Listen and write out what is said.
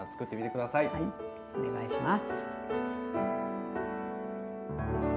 はいお願いします。